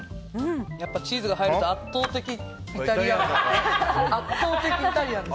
やっぱりチーズが入ると圧倒的イタリアンです。